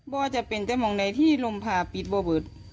บ่อยเป็นแต่บ่องในที่ลมผ้าปิดบ่วบ่วด